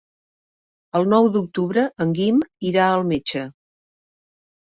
El nou d'octubre en Guim irà al metge.